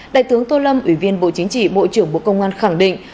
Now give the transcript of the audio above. đại tướng tô lâm ủy viên bộ chính trị bộ trưởng bộ công an khẳng định